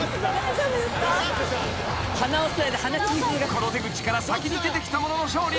［この出口から先に出てきた者の勝利］